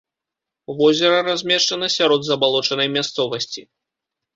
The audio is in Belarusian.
Возера размешчана сярод забалочанай мясцовасці.